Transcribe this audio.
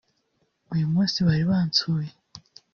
uyu munsi bari bansuye